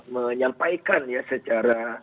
menyampaikan ya secara